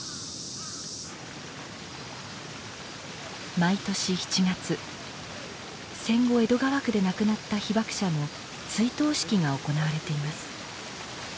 毎年７月戦後江戸川区で亡くなった被爆者の追悼式が行われています。